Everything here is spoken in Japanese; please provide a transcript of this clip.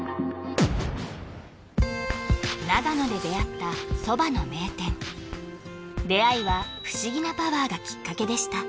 長野で出会ったそばの名店出会いは不思議なパワーがきっかけでした